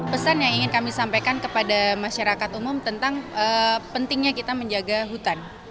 pesan yang ingin kami sampaikan kepada masyarakat umum tentang pentingnya kita menjaga hutan